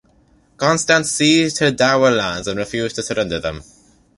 Constance seized her dower lands and refused to surrender them.